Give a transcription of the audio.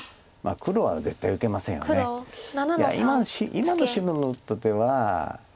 今の白の打った手は。